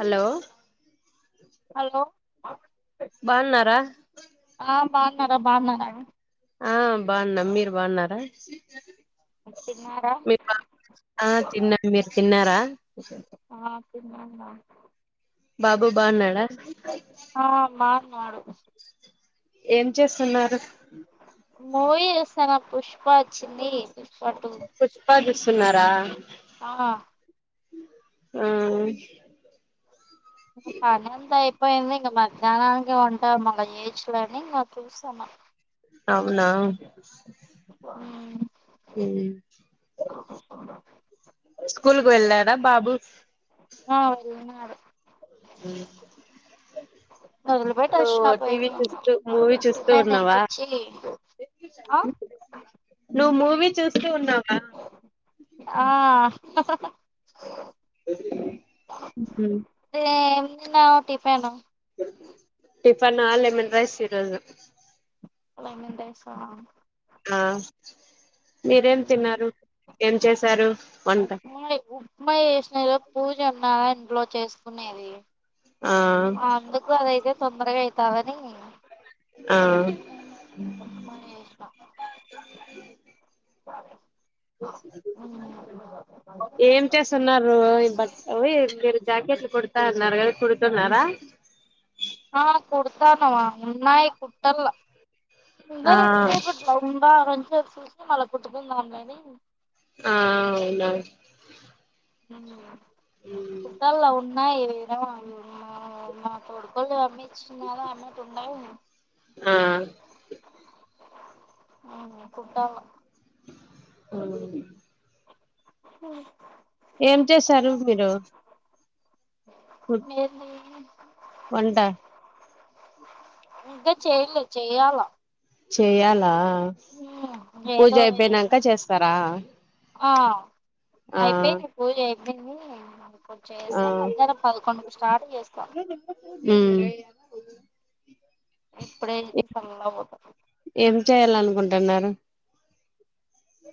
Hello hello బాగున్నారా ఆ బాగున్నారా బాగున్నారా ఆ బాగున్నాం మీరు బాగున్నారా తిన్నారా ఆ తిన్నం మీరు తిన్నారా ఆ తిన్నాం రా బాబు బాగున్నాడా ఆ బాగున్నాడు ఏం చేస్తున్నారు మూవీ చూస్తానం పుష్ప వచ్చింది పుష్ప టూ పుష్ప చూస్తున్నారా ఆ ఆ పని అంత అయిపోయింది ఇంక మధ్యాహ్నానికి వంట మల్ల చేయచ్చు లే ఇంకా చూస్తానా అవునా ఊ ఉమ్ స్కూల్ కు వెళ్ళారా బాబు ఆ వెల్లినారు ఉ వదిలిపెట్టి నువ్వు వచ్చిన పోయి టీవీ చూస్తూ మూవీ చూస్తూ టిఫిన్ ఉన్నావా తినిపించి ఆ నువ్వు మూవీ చూస్తూ ఉన్నావా ఆ ఉమ్ తె ఏం తిన్నావ్ టిఫిన్ టిఫన్ ఆ లెమన్ రైస్ ఈ రోజు లెమన్ రైసా ఆ మీరేం ఆ తిన్నారు ఏం చేశారు వంట ప్మా చేసిన ఈ రోజు పూజన్నదా ఇంట్లో చేసుకునేది ఆ ఆ అందుకు అదైతే తొందరగా ఐతదని ఆ చేసిన సరే చేసు [unintelligible] ఏం చేస్తున్నారు ఇ బ అవి మీరు జాకెట్లు కుడతా నరగది కుడుతున్నారా ఆ కుడతానమా ఉన్నాయి కుట్టల ఆ [unintelligible] ఎంతసేపటి ఇలా ఉందా నుంచొని చూస్తే మళ్ళ కుట్టుకుందాం లే అని ఊమ్ అవునవును ఊమ్ కుట్టాల ఉన్ నా ఇ విధ మా కొడుకుల్ తోని [inaudible] చిన్నదా అమ్మకు పుండైంది ఆ [inaudible] ఉమ్ కుట్టాల [unintelligible] ఆ ఏం చేసారు మీరు హుమ్ ఏంది వంట ఇంక చెయలే చెయ్యాల చెయ్యాలా పూజ ఏదో అయిపోయినంక చేస్తార? ఆ అయిపోయింది పూజ అయిపోయింది పూజ ఆ చేస్తాం మధ్యాహ్నం పదకొండుకి స్టార్ట్ చేస్త ఉమ్ ఇప్పుడే ఈ చల్లగ పోతము ఏం చేయాలనుకుంటున్నారు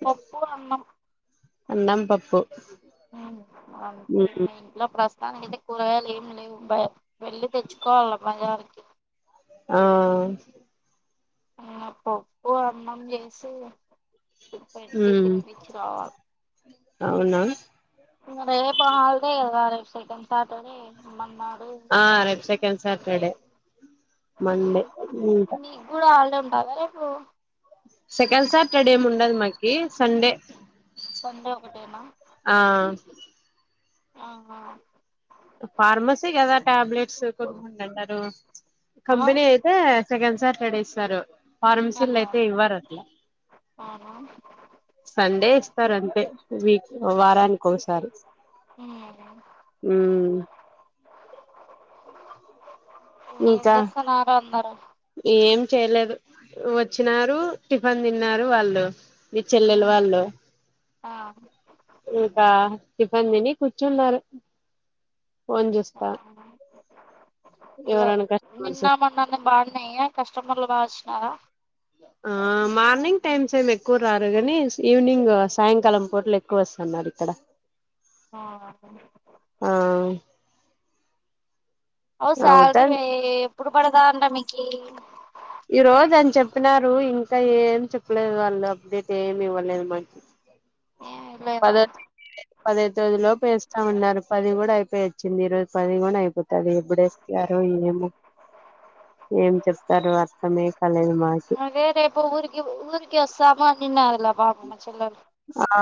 పప్పు అన్నం అన్నం పప్పు ఉమ్ అంతే ఉమ్ ఇంట్ల ప్రస్తుతానికి ఐతే కూరగాయలు ఏమి లేవ్ బయటికి వెళ్ళలి తెచ్చుకోవాలి బజారుకి ఆ అ పప్పు అన్నం చేసి పెట్టి ఉమ్ తినిపిచ్చి రావాల అవునా రేపు హాలిడే కద రేపు సెకండ్ సాటర్డే ఇమ్మన్నాడు ఆ రేపు సెకండ్ సాటర్డే మండే ఊమ్ కూడ హాలిడే ఉంటాద రేపు సెకండ్ సాటర్డే ఏం ఉండదు మాకి సండే సండే ఒకటేనా ఆ ఆహా ఫార్మసీ కద టాబ్లెట్స్ కొన్ని అన్నరు ఆ కంపెనీ అయితే సెకండ్ సాటర్డే ఇస్తారు ఆ, ఫార్మసీలో అయితే ఇవ్వరు అట్ల అవునా సండే ఇస్తారు అంతే విక్ వారానికి ఒకసారి ఊమ్ ఊమ్ ఏం ఇంకా చేస్తున్నారు అందరు ఏం చేయలేదు వచ్చినారు టిఫిన్ తిన్నారు వాళ్ళు మీ చెల్లిల్ల వాళ్ళు ఆ ఇంకా టిఫిన్ తిని కూర్చున్నారు ఫోన్ చూస్తా ఇగో ఎవరైనా కస్టమర్స్ నిన్నా మొన్నా బాగున్నాయ కస్టమర్లు బాగ వచ్చినార ఆ మార్నింగ్ టైమ్స్ ఏమి ఎక్కువ రారు కానీ ఈవినింగ్ సాయంకాలం పూటలు ఎక్కువ వస్తాన్నారు ఇక్కడ ఆహ ఆ ఓ అవుతాం శాలరీ ఎప్పుడు పడదాంట మీకి ఈ రోజు అని చెప్పినారు ఇంక ఏం చెప్పలేదు వాళ్ళు అప్డేట్ ఏమి ఇవ్వలేదు మనకి ఏమి లేదా పద పదో తేదీ లోపు ఎస్తామన్నారు పది కూడా అయిపోయి వచ్చింది ఈరోజు పది కూడా అయిపోతుంది ఎప్పుడు ఏస్ తారో ఏమో [inaudible] ఏం చెప్తారు అర్థమే కాలేదు మా అదే రేపు ఊరికి ఊరికి వస్తాము అనిన్నారు [unintelligible] మా చెల్లోలు ఆ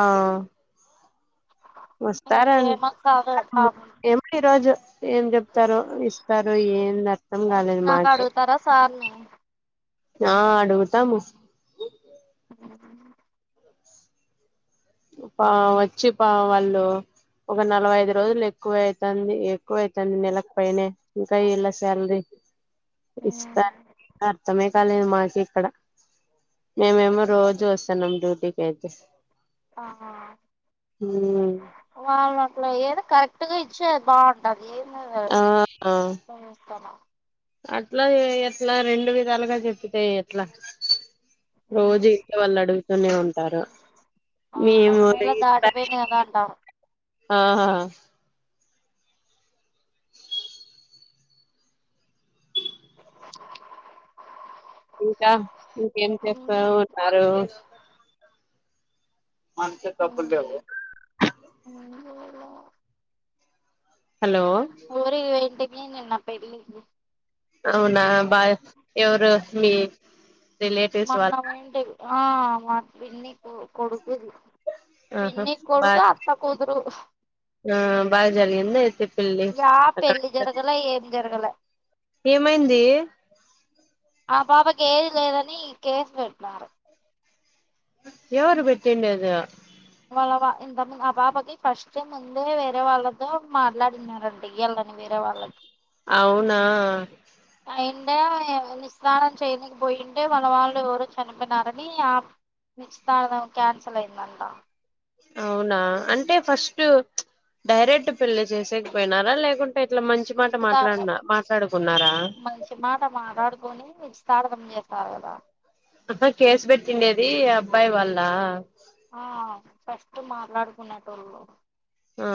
ఇంక వస్తారం ఏమొస్తాదో పాపం ఏమో ఈ రోజు ఏం చెప్తారో ఇస్తారో ఏంద్ వచ్చినాక అడుగుతారా సార్ని ఆ అడుగుతాము ఉ వచ్చి పా వాళ్ళు ఒక నలభై ఐదు రోజులు ఎక్కువే అయితాంది ఎక్కువైతంది నెలకు పైనే ఇంకా ఇలా శాలరీ ఇస్తారు అర్థమే కాలేదు మాకి ఇక్కడ మేమేమో రోజు వస్తున్నాం డ్యూటీకి అయితే ఆహా హ్మ్ వాళ్ళు అట్ల ఏది కరెక్ట్ గా ఇచ్చేది బాగుం ఆ [unintelligible] అట్లా ఎట్లా రెండు విధాలుగా చెప్పితే ఎట్లా రోజు ఇస్తాను ఇంట్లో వాళ్ళు అడుగుతూనే ఉంటారా ఆ మన నెల దాటిపోయింది కదా అంటారు ఆహా ఇంకా ఇంకేం చేస్తా ఉన్నారు [inaudible] హలో ఊరికి పోయింటిని నిన్న పెళ్లికి అవునా బా ఎవరు మీ రిలేటివ్స్ మొన్న వాళ్ పోయింటిమి ఆ మా పిన్నీ కొడుకుది ఆహా పిన్ని బా కొడుకు అత్త కూతురు ఆ బాగా జరిగింది అయితే పెళ్లి యా అక్కడ పెళ్లి జరగలే ఏం జరగలే ఏమైంది ఆ పాపకి ఏజ్ లేదని కేసు పెట్టిన్నారు ఎవరు పెట్టిండేది వాళ్ళ ఇంతకముందు ఆ పాపకి ఫస్ట్ ముందే వేరే వాళ్ళతో మాట్లాడినారండి ఇయాళ్ళని వేరే వాళ్ళకి అవునా అయింటే వీళ్ళు స్నానం చెయనికి పోయింటే వాళ వాళ్ళు ఎవరో చనిపో యినారని నిర్చితార్థం క్యాన్సల్ అయిందంట అవునా అంటే ఫస్ట్ డైరెక్ట్ పెళ్లి చేసేకి పోయినారా లేకుంటే ఇట్లా మంచి మాట నిశ్చితార్థం మాట్లాడినా మాట్లాడుకున్నారా మంచి మాట మాట్లాడుకొని నిర్చితార్థం చేసారు కదా ఇప్పుడు కేసు పెట్టిండేది అబ్బాయి వాళ్ళ ఆ ఫస్ట్ మాట్లాడుకునేటోళ్ళు ఆ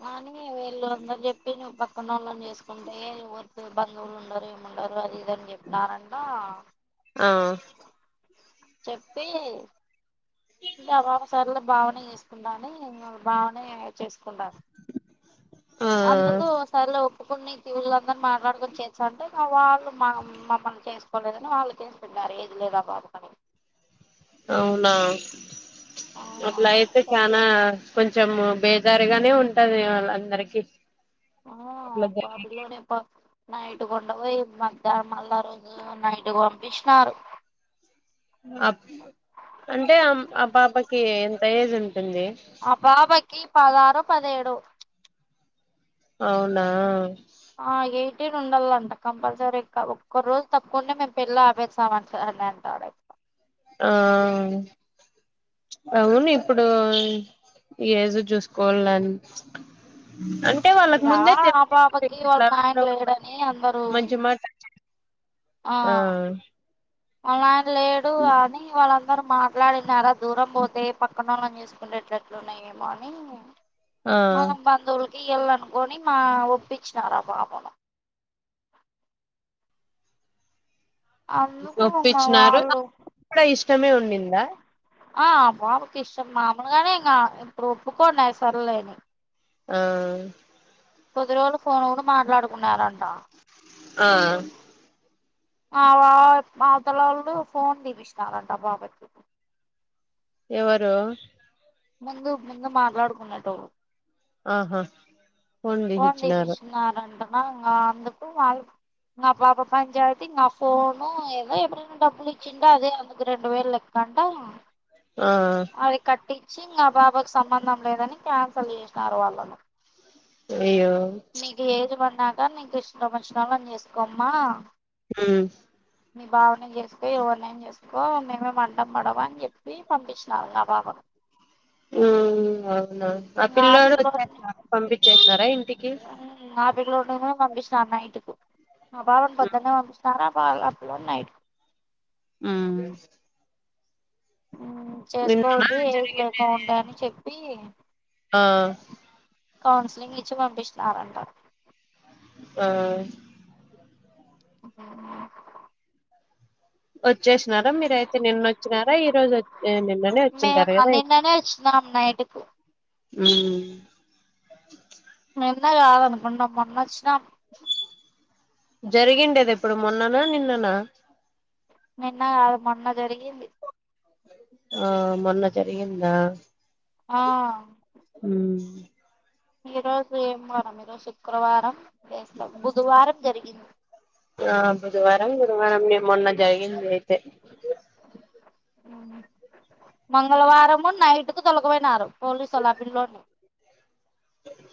కానీ వీళ్ళు అందరూ చెప్పి నువ్వు పక్కనోళ్ళని చేసుకుంటే వద్దు బంధువులు ఉండారు ఏం ఉండారు అది ఇదని చెప్పినారంట ఆ చెప్పి [unintelligible] సార్లు బావనే చేసుకుందాని బావనే చేసుకుంటాను ఆ అందుకు సర్లే ఒప్పుకునికి విళ్లుందరూ మాట్లాడుకుొని చేస్తా అంటే మా వాళ్ళు మా మమ్మల్ని చేసుకోలేదని వాళ్ళు కేసు పెట్టారు [unintelligible] ఏది లేదా [unintelligible] అని అవునా ఆ అట్లా అయితే ఓకే చనా కొంచెం బేకారిగానే ఉంటంది వాళ్ళ అందరికి ఆ పాపిలోనే ప్ నైట్కొంటపోయి మధ్యాహ్నం మళ్ళ ఆ రోజు నైట్క పంపించినారు అప్ అంటే ఆ పాపకి ఎంత ఏజ్ ఉంటుంది ఆ పాపకి పదహారో పదేడో అవునా ఆ ఎయిటీన్ ఉండాలంట కంపల్సరీ ఒక్క రోజు తప్పకుంటే మేము పెళ్లి ఆపేస్తాం [unintelligible] ఆ అవును ఇప్పుడు ఏజ చూసుకోవాలన్ అంటే వాళ్ళకు ఇక ముందే ఆ పాపకి వాళ్ళ తెలుట్లా నాయన లేడని అందరూ [inaudible] మంచి మాట ఆ అలా అని లేడు అని వాళ్ళంత్ అందరూ మాట్లాడినారా దూరం పోతే పక్కనోళ్ళనీ చూసుకునేేటలట్లున్నాయేమో అని ఆ మన బంధువులకి వెళ్ళనుకొని మా ఒప్పించినారు ఆ బాబును అందుకున్నా ఒప్పించినారు వాళ్ళు కూడా ఇష్టమే ఉండిందా ఆ బాబుకిష్టం మామలుగానే ఇంకా ఇప్పుడు ఒప్పుకో సర్లేని ఆ కొద్ది రోజులు ఫోన్ కూడా మాట్లాడుకున్నారంట ఆ మా మా అవతల వాళ్ళు ఫోన్ తీపిచినారంట బాబయి కి ఎవరు ముందు ముందు మాట్లాడుకున్నట్టు ఆహా ఫోన్ తీపించినారంట అ ఇంగ అందుకు వాళ్ళు మా పాప పంచాయత్ మా ఫోను ఏదో ఎప్పుడు డబ్బులు ఇచ్చిండు అదే అందుకు రెండు వేలు లెక్కడా ఆ అది కట్టించి ఇంకా బాబాయి కి సంబంధం లేదని క్యాన్సల్ చేసినారు వాళ్లు అయ్యో నీకు ఏజ పడిన్నాక నీకు ఇష్టామచినవాళ్ళని చేసుకోమ్మా ఉ మీ బావనే చేసుకో ఎవరినైనా చే కో మేమేం అడ్డం పడ్డం అని చెప్పి పంపించిన ఆ పాప హమ్ అవునా ఆ ఇంగ పిల్లడు పిల్లోడిని వచ్చేసినాడా పంపించేసిసారా ఇంటికి నాపికలోనేను పంపిచ్చిన ఆ నైటుకు ఆ బావను పొద్దున్నే పంపిచ్ తారా బ అప్పులు నైటుకు ఉమ్ నిన్ననా చేస్కోవద్దు ఏజ్ జరిగింది లేక ఉంటె అని చెప్పి ఆ కౌన్సలింగ్ ఇచ్చి పంపిచ్చినారంట ఆ ఉమ్ వచ్చేసినారా మీరయితే నిన్నోచ్చినారా ఈ రోజు వచ్ నిన్ననే వచ్చింటారు కదాయిత్ నాం నైటుకు ఉమ్ నిన్న గాదనుకుంట మొన్నోచ్చినాము జరిగిండేది ఎప్పుడు మొన్ననా నిన్ననా నిన్న గాదు మొన్న జరిగింది ఆ మొన్న జరిగిందా ఆ ఉమ్ ఈ రోజు ఏం వారం ఈరోజు శుక్రవారం, బేస్త బుధవారం జరిగింది ఆ బుధవారం గురువారం ఇగ మొన్న జరిగింది అయితే మంగళవారము నైట్ కు తొలకపోయినారు పోలీస్సొళ్ళు ఆ పిల్లోన్నీ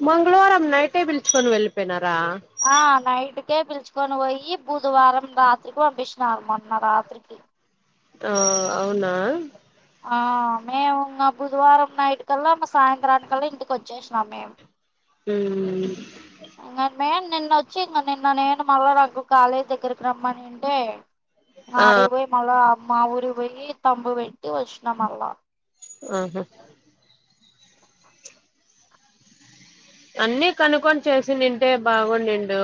మంగళవారం నైటే పిల్చుకొని వెళ్పోయినారా ఆ నైట్ కే పిలుచుకొని పోయ్యి బుధవారం రాత్రికి పంపించినారు మొన్న రాత్రికి ఆ అవునా ఆ మేము ఇంగ బుధవారం నైటు కల్లా మా సాయంత్రానికల్లా ఇంటికొచ్చేసినాం మేము ఉమ్ ఉమ్ ఇంగమ్మేము నిన్న వచ్చి ఇంగ నిన్న నేను మళ్ళా నాకు కాలేజ్ దగ్గరకి రమ్మని అంటే ఆ ఆడికిపోయి మళ్ళా మా ఊరికి పోయ్యి తంబ్ పెట్టి వచ్చిన మళ్ళా ఆహా అన్ని కనుక్కొని చేసిండింటే బాగుండిండు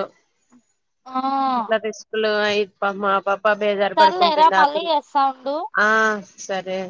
ఆ ఇట్లా తీస్ పిల్లోఅయి పాప్మ ఆ పాప బేజారు సర్లేరా పడుకుంటుంది మళ్ళీ ఆపిల్ చేస్తా ఉండు ఆ సరే